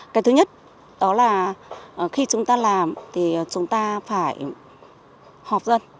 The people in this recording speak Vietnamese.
cái thứ nhất đó là khi chúng ta làm thì chúng ta phải họp dân